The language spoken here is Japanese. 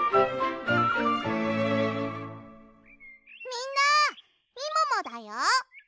みんなみももだよ。